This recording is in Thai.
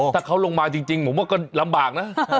ถ้าเขาลงมาจริงผมว่าก็ลำบากนะ